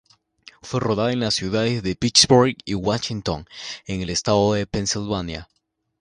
Fue rodada en las ciudades de Pittsburgh y Washington, en el estado de Pensilvania.